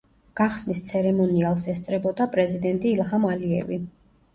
გახსნის ცერემონიალს ესწრებოდა პრეზიდენტი ილჰამ ალიევი.